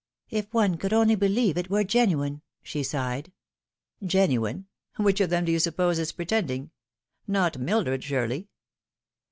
" If one could only believe it were genuine !" she sighed. " Genuine ! which of them do you suppose is pretending ? Not Mildred, surely